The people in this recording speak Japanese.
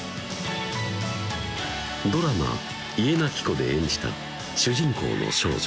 ドラマ・「家なき子」で演じた主人公の少女